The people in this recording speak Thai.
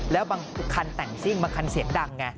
แล้วบางคันแต่งซิ่งบางคันเสียงดังไง